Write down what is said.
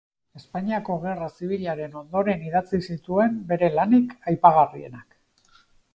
Espainiako Gerra Zibilaren ondoren idatzi zituen bere lanik aipagarrienak.